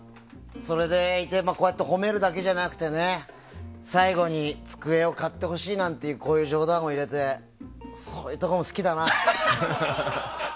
それでいて、こうやって褒めるだけじゃなくて最後に机を買ってほしいなんて冗談を入れてそういうところも好きだな。